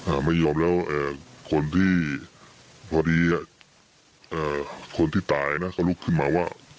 อ่าไม่ยอมแล้วคนที่พอดีคนที่ตายนะก็ลุกขึ้นมาว่า